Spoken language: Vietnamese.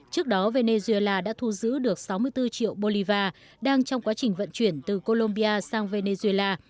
trước đó venezuela đã thu giữ được sáu mươi bốn triệu bolivar đang trong quá trình vận chuyển từ colombia sang venezuela